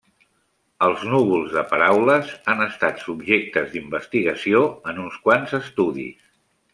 Els núvols de paraules han estat subjectes d'investigació en uns quants estudis.